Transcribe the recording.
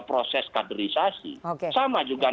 proses kaderisasi sama juga